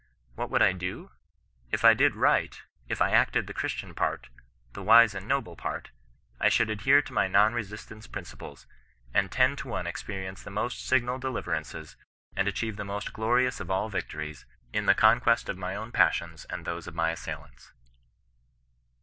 What would I do? If I did right — if I acted the Christian part — the wise and noble part, I should adhere to my non resistance principles, and ten to one experience the most signal deliverances, and achieve the most glorious of all victories, in the conquest of my own passions and those of my assailants